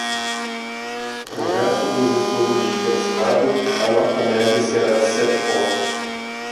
No resto dos estudos de mestrado, a nota média será de sete pontos.